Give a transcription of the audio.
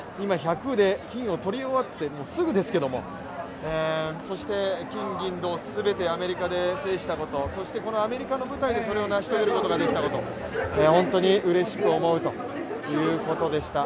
今、１００で金を取り終わってすぐですけれどもそして、金、銀、銅全てアメリカで制したことそして、このアメリカの舞台でそれを成し遂げることができたこと本当にうれしく思うということでした。